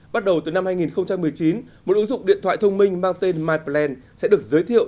bắt đầu từ năm hai nghìn một mươi chín một ứng dụng điện thoại thông minh mang tên mypland sẽ được giới thiệu